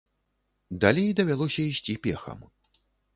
Далей давялося ісці пехам.